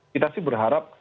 kita sih berharap